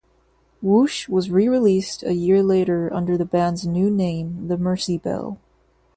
"Whoosh" was re-released a year later under the band's new name, The Mercy Bell.